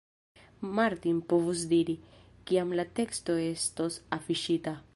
Martin povus diri, kiam la teksto estos afiŝita.